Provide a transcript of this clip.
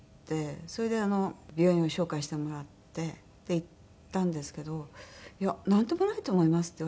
それで病院を紹介してもらって行ったんですけど「いやなんともないと思います」って言われたんですよ。